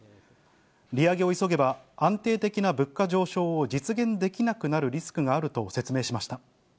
利上げを急げば安定的な物価上昇を実現できなくなるリスクがあると説明しました。